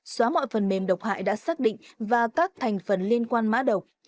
xóa mọi phần mềm độc hại đã xác định và các thành phần liên quan mã độc